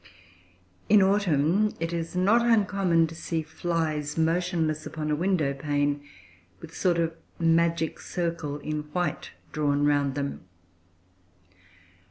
In autumn, it is not uncommon to see flies motionless upon a window pane, with a sort of magic circle, in white, drawn round them.